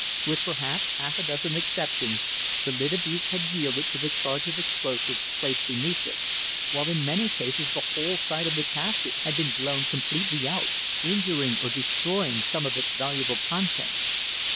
With perhaps half a dozen exceptions the lid of each had yielded to the charge of explosive placed beneath it, while in many cases the whole side of the casket had been blown completely out, injuring or destroying some of its valuable contents.